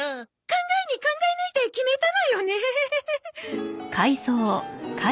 考えに考え抜いて決めたのよね。